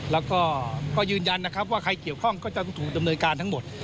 แล้วก็ยืนยันนะครับว่าใครเกี่ยวข้องก็จะถูกดำเนินการทั้งหมด